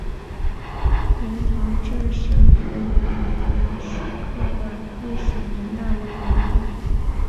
莲塘镇神符岩摩崖石刻的历史年代为元代。